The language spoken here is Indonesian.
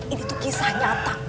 ini tuh kisah nyata